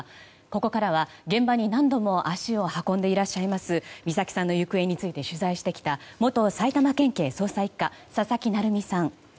ここからは現場に何度も足を運んでいらっしゃいます美咲さんの行方について取材してきた元埼玉県警捜査１課佐々木成三さん。